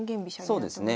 そうですね。